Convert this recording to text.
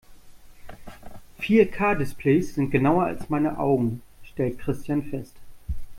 Vier-K-Displays sind genauer als meine Augen, stellt Christian fest.